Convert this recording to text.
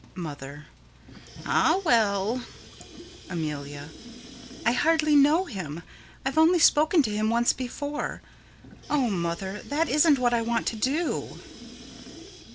Mother: Ah, well. Amelia: I hardly know him. I've only spoken to him once before. O Mother that isn't what I want to do.